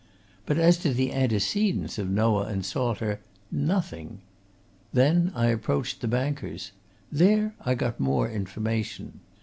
But as to the antecedents of Noah and Salter nothing! Then I approached the bankers. There I got more information.